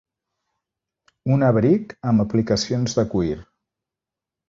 Un abric amb aplicacions de cuir.